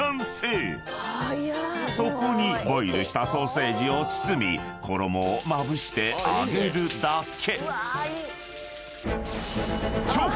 ［そこにボイルしたソーセージを包み衣をまぶして揚げるだけ］